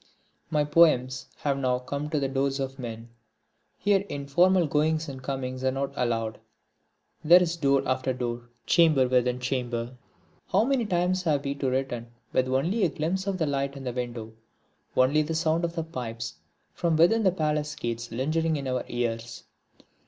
My poems have now come to the doors of men. Here informal goings and comings are not allowed. There is door after door, chamber within chamber. How many times have we to return with only a glimpse of the light in the window, only the sound of the pipes from within the palace gates lingering in our ears.